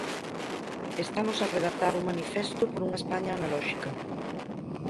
Estamos a redactar un manifesto por unha España analóxica.